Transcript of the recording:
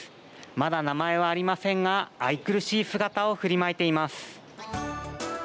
まだ名前はありませんが愛くるしい姿を振りまいています。